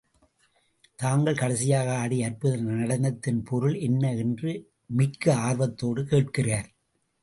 தாங்கள் கடைசியாக ஆடிய அற்புத நடனத்தின் பொருள் என்ன என்று மிக்க ஆர்வத்தோடு கேட்கிறார்.